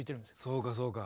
そうかそうか。